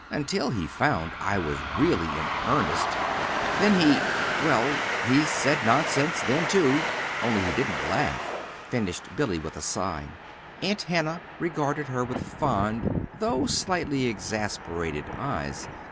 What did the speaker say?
until he found I was really in earnest; then he well, he said 'nonsense,' then, too only he didn't laugh," finished Billy, with a sigh. Aunt Hannah regarded her with fond, though slightly exasperated eyes.